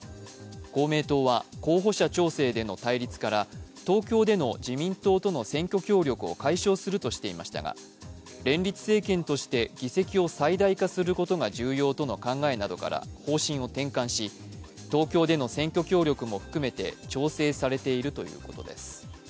公明党は候補者調整での対立から東京での自民党との選挙協力を解消するとしていましたが連立政権として議席を最大化することが重要との考えなどから方針を転換し、東京での選挙協力も含めて調整されているということです。